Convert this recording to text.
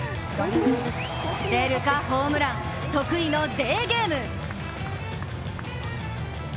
出るかホームラン、得意のデーゲーム！